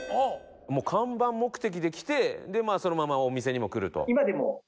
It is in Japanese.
「もう看板目的で来てまあそのままお店にも来ると」